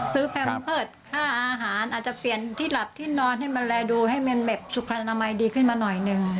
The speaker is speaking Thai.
แพมเพิร์ตค่าอาหารอาจจะเปลี่ยนที่หลับที่นอนให้มาดูแลดูให้มันแบบสุขอนามัยดีขึ้นมาหน่อยหนึ่ง